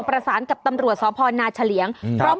เบิร์ตลมเสียโอ้โห